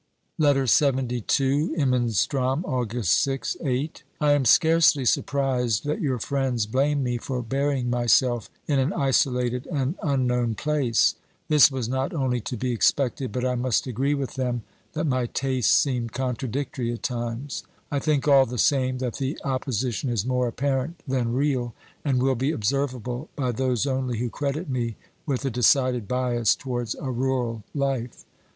LETTER LXXII Imenstrom, Attgusi 6 (VIII). I am scarcely surprised that your friends blame me for burying myself in an isolated and unknown place. This Was not only to be expected, but I must agree with them 310 OBERMANN that my tastes seem contradictory at times. I think all the same that the opposition is more apparent than real, and will be observable by those only who credit me with a de cided bias towards a rural life.